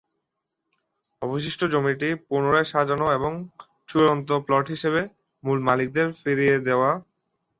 অবশিষ্ট জমিটি পুনরায় সাজানো এবং চূড়ান্ত প্লট হিসাবে মূল মালিকদের ফেরত দেওয়া।